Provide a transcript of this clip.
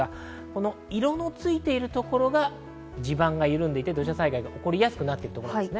色のついているところが地盤が緩んでいて土砂災害が起こりやすいところです。